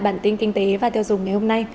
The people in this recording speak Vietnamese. bản tin kinh tế và tiêu dùng ngày hôm nay